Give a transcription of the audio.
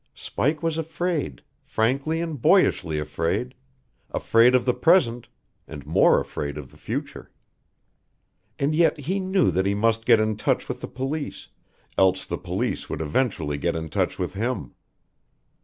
Spike was afraid, frankly and boyishly afraid afraid of the present, and more afraid of the future. And yet he knew that he must get in touch with the police, else the police would eventually get in touch with him.